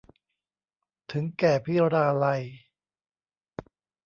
ถึงแก่พิราลัย